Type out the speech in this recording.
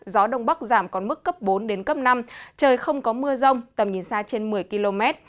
gió đông bắc giảm còn mức cấp bốn đến cấp năm trời không có mưa rông tầm nhìn xa trên một mươi km